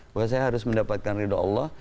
bahwa saya harus mendapatkan ridho allah